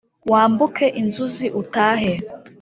wambuke inzuzi utahe